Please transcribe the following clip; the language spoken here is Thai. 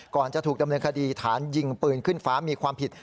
ก่อนจะถูกดำเนินคดีฐานยิงปืนขึ้นฟ้ามีความผิด